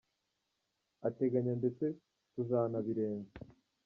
ateganya ndetse tuzanabirenza.’’